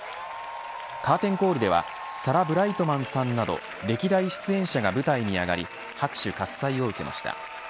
カーテンコールではサラ・ブライトマンさんなど歴代出演者が舞台に上がり拍手喝采を受けました。